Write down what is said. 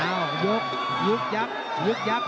เอ้ายกยกยับยกยับ